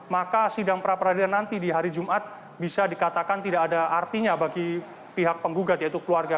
maka sidang pra peradilan nanti di hari jumat bisa dikatakan tidak ada artinya bagi pihak penggugat yaitu keluarga